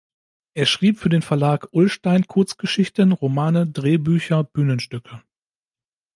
Er schrieb für den Verlag Ullstein Kurzgeschichten, Romane, Drehbücher, Bühnenstücke.